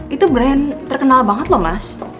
itu brand terkenal banget loh mas